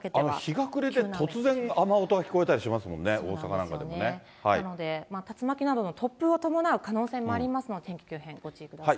日が暮れて、突然雨音が聞こえたりしますもんね、大阪なんかなので、竜巻などの突風を伴う可能性もありますので、天気の急変、ご注意ください。